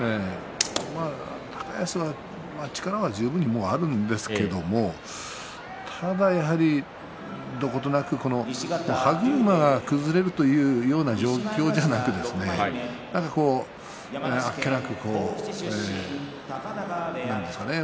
高安は力は十分にもうあるんですけれどもただやはり、どことなく歯車が崩れるというような状況じゃなく、あっけなくなんて言うんですかね